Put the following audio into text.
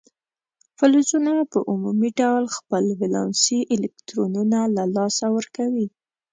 فلزونه په عمومي ډول خپل ولانسي الکترونونه له لاسه ورکوي.